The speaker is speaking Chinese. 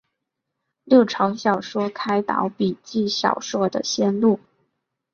六朝小说开导笔记小说的先路。